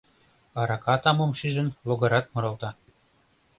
Арака тамым шижын, логарат муралта.